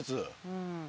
うん。